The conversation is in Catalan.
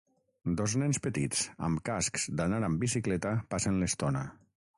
Dos nens petits amb cascs d'anar amb bicicleta passen l'estona.